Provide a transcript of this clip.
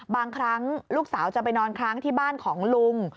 บางครั้งลูกสาวจะไปนอนค้างที่บ้านของลุง